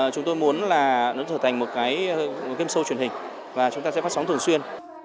chúng tôi muốn là nó trở thành một cái game show truyền hình và chúng ta sẽ phát sóng thường xuyên